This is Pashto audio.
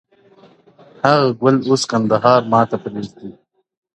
• هغه اوس گل كنـدهار مـــاتــه پــرېــږدي.